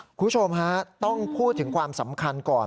คุณผู้ชมฮะต้องพูดถึงความสำคัญก่อน